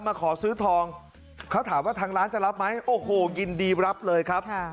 มาขอซื้อทองเขาถามว่าทางร้านจะรับไหมโอ้โหยินดีรับเลยครับ